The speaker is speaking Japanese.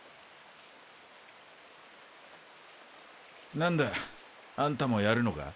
なんだ？あんたもやるのか？